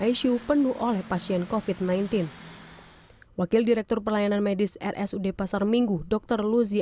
icu penuh oleh pasien kofit sembilan belas wakil direktur pelayanan medis rsud pasar minggu dokter luzi